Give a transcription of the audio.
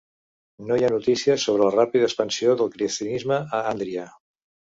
No hi ha notícies sobre la ràpida expansió del cristianisme a Àndria.